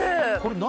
何？